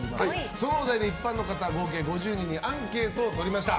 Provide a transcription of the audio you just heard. そのお題で一般の方合計５０人にアンケートを取りました。